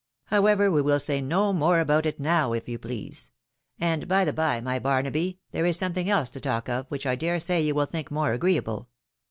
However, we wiU say no more about it now, if you please. And, by the by, my Barnaby, there is something else to talk of, which I dare say you will think more agreeable.